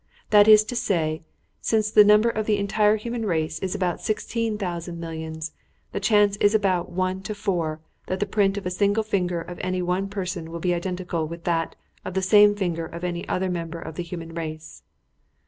That is to say that, since the number of the entire human race is about sixteen thousand millions, the chance is about one to four that the print of a single finger of any one person will be identical with that of the same finger of any other member of the human race.